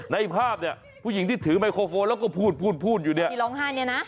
ในภาพเนี่ยผู้หญิงที่ถือไมโครโฟนแล้วก็พูดพูดอยู่เนี่ยที่ร้องไห้เนี่ยนะ